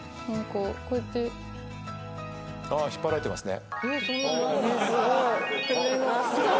あ引っ張られてますね。